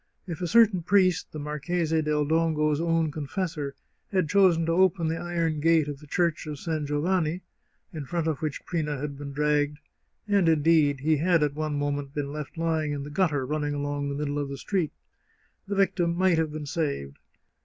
If a certain priest, the Marchese del Dongo's own confessor, had chosen to open the iron gate of the Church of San Giovanni, in front of which Prina had been dragged (and, indeed, he had at one moment been left lying in the gutter running along the middle of the street), the victim might have been saved.